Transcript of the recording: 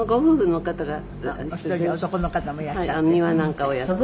お一人男の方もいらっしゃって。